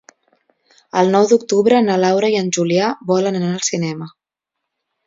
El nou d'octubre na Laura i en Julià volen anar al cinema.